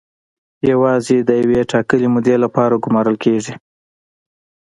یوازې د یوې ټاکلې مودې لپاره ګومارل کیږي.